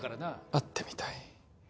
会ってみたい。